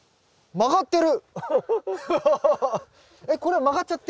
曲がってる！